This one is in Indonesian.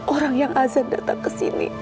orang yang azan datang kesini